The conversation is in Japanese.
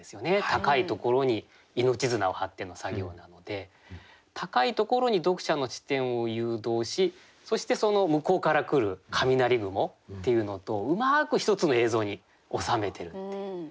高いところに命綱を張っての作業なので高いところに読者の視点を誘導しそしてその向こうから来る雷雲っていうのとうまく一つの映像に収めてるっていう。